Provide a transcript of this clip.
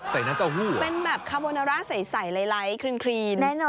ใส่หน้าเจ้าหู้เหรอเป็นแบบคาร์โบนาร่าใสไลครีน